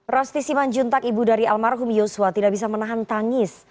rosti siman juntak ibu dari almarhum yosua tidak bisa menahan tangis